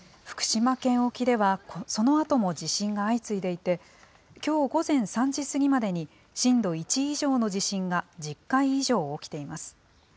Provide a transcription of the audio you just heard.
福島県沖ではそのあとも地震が相次いでいて、きょう午前３時過ぎまでに、震度１以上の地震が１０回以上起きています。